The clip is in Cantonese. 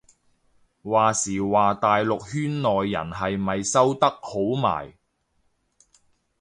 話時話大陸圈內人係咪收得好埋